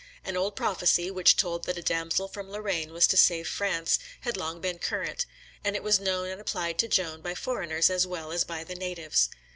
An old prophecy, which told that a damsel from Lorraine was to save France, had long been current; and it was known and applied to Joan by foreigners as well as by the natives.